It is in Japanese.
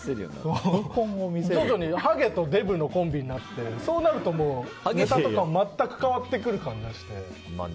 徐々にハゲとデブのコンビになってそうなるともう、ネタとか全く変わってくる感、出して。